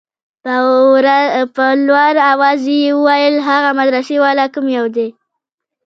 په لوړ اواز يې وويل هغه مدرسې والا کوم يو دى.